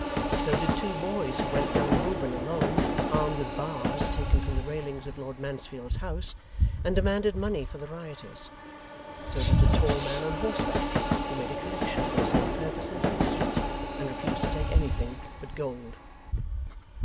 So did two boys who went down Holborn alone, armed with bars taken from the railings of Lord Mansfield's house, and demanded money for the rioters. So did a tall man on horseback who made a collection for the same purpose in Fleet Street, and refused to take anything but gold.